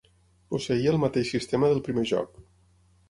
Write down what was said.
Posseïa el mateix sistema del primer joc.